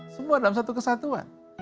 semua dalam satu kesatuan